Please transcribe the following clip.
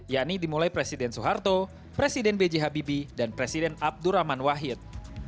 yakni dimulai presiden soeharto presiden b c habibie dan presiden abdur rahman wahid